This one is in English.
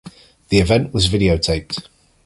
The event was videotaped.